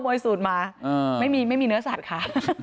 วยสูตรมาไม่มีเนื้อสัตว์ค่ะ